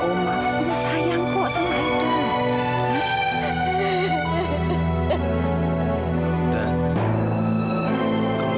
sudah saja ikhlaskan ya